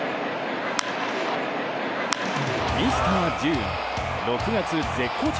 ミスタージューン６月絶好調